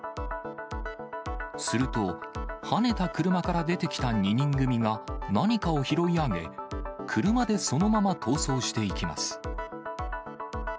すると、はねた車から出てきた２人組が何かを拾い上げ、車でそのまま逃走していきます。